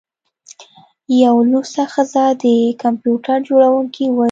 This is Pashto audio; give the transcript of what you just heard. یوه لوڅه ښځه د کمپیوټر جوړونکي وویل